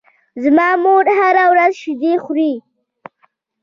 زما مور هره ورځ شیدې خوري.